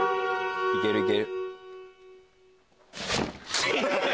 いけるいける。